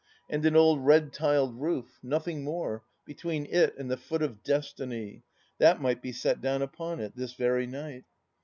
And an old red tiled roof — nothing more !— between it and the Foot of Destiny ... that might be set down upon it ... this very night